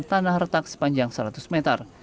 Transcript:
tanah retak sepanjang seratus meter